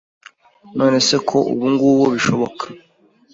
Nonese ko ubu ngubu bishoboka